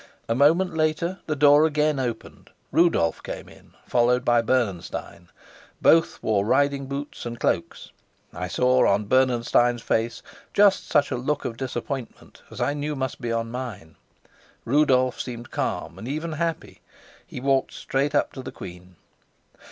A moment later the door again opened. Rudolf came in, followed by Bernenstein. Both wore riding boots and cloaks. I saw on Bernenstein's face just such a look of disappointment as I knew must be on mine. Rudolf seemed calm and even happy. He walked straight up to the queen.